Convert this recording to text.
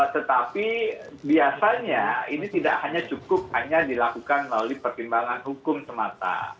tetapi biasanya ini tidak hanya cukup hanya dilakukan melalui pertimbangan hukum semata